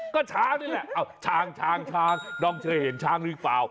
ก็ช้างนี่แหละช้างช้างน้องเคยเห็นช้างหรือเปล่า